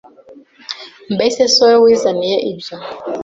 Mbese si wowe wizaniye ibyo,